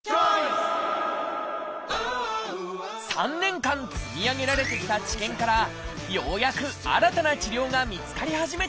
３年間積み上げられてきた知見からようやく新たな治療が見つかり始めています。